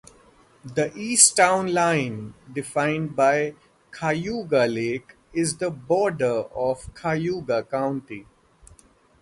The east town line, defined by Cayuga Lake, is the border of Cayuga County.